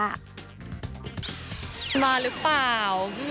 ธันวาหรือเปล่า